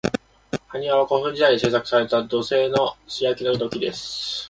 埴輪は、古墳時代に製作された土製の素焼きの土器です。